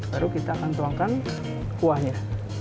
baru kita akan tuangkan kuahnya